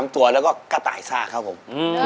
ตัวแล้วก็กระต่ายซ่าครับผม